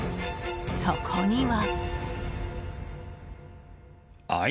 そこには。